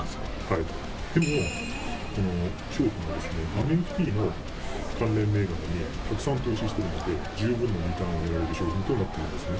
でも、この商品はですね、ＮＦＴの関連銘柄にたくさん投資してるので、十分にリターンを得られる商品となっているんですね。